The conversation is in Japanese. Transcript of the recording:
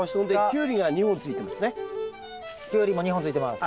キュウリも２本ついてます。